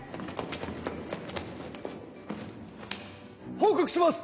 報告します！